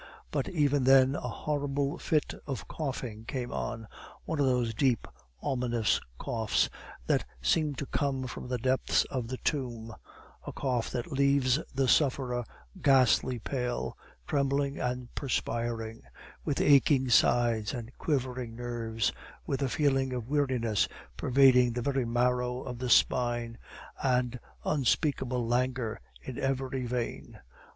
But even then a horrible fit of coughing came on, one of those deep ominous coughs that seem to come from the depths of the tomb, a cough that leaves the sufferer ghastly pale, trembling, and perspiring; with aching sides and quivering nerves, with a feeling of weariness pervading the very marrow of the spine, and unspeakable languor in every vein.